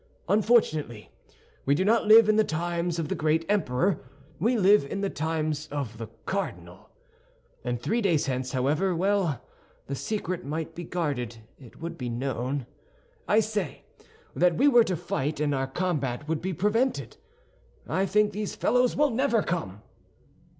Unfortunately, we do not live in the times of the great emperor, we live in the times of the cardinal; and three days hence, however well the secret might be guarded, it would be known, I say, that we were to fight, and our combat would be prevented. I think these fellows will never come."